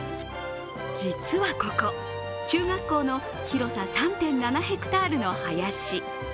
実はここ、中学校の広さ３．７ｈａの林。